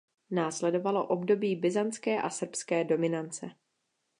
Následovalo období byzantské a srbské dominance.